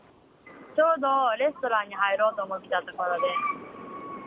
ちょうどレストランに入ろうと思ったところです。